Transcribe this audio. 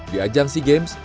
di ajang sea games